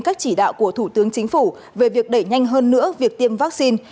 các chỉ đạo của thủ tướng chính phủ về việc đẩy nhanh hơn nữa việc tiêm vaccine